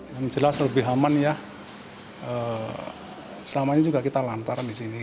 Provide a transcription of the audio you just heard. yang jelas lebih aman ya selamanya juga kita lantar di sini